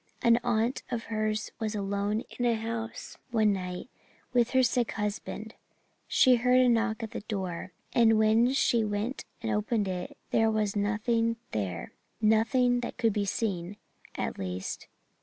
An aunt of hers was alone in a house one night with her sick husband. She heard a knock at the door. And when she went and opened it there was nothing there nothing that could be seen, at least.